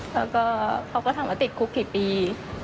แล้วก็เขาก็ถามว่าติดคุกกี่ปี